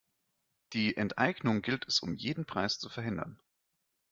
Die Enteignung gilt es um jeden Preis zu verhindern.